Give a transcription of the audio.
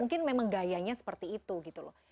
pilihannya seperti itu gitu loh